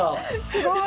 すごい。